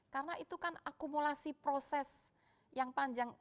karena itu kan akumulasi proses yang panjang